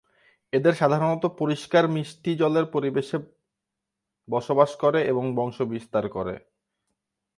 এদের সাধারণত পরিষ্কার মিষ্টি জলের পরিবেশে বসবাস করে এবং বংশ বিস্তার করে।